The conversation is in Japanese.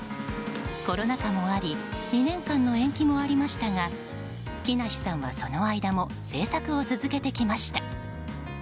コロナ禍もあり２年間の延期もありましたが木梨さんは、その間も制作を続けてきました。